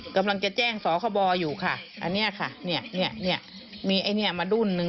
กำลังจะแจ้งสคบอยู่ค่ะอันนี้ค่ะเนี่ยเนี่ยมีไอ้เนี่ยมารุ่นนึง